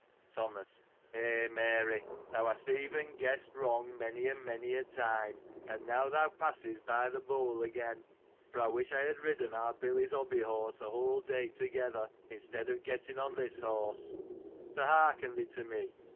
Thomas. — Eh ! Mary, thou hast even guessed wrong many and many a time ; and now thou passes by the bowl again ;■ for I wish I had ridden our Billy's hobby horse a whale day toge ther, instead of getting on this horse : for, hearken thee to me.